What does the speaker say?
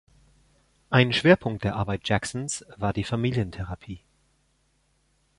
Ein Schwerpunkt der Arbeit Jacksons war die Familientherapie.